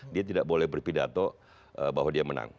dia tidak boleh berpidato bahwa dia menang